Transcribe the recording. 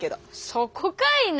そこかいな。